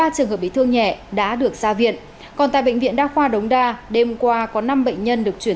ba trường hợp bị thương nhẹ đã được ra viện còn tại bệnh viện đa khoa đống đa đêm qua có năm bệnh nhân được chuyển